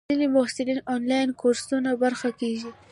ځینې محصلین د انلاین کورسونو برخه کېږي.